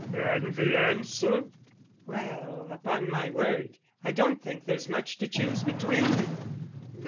"And the answer?" "Well, upon my word, I don't think there's much to choose between them."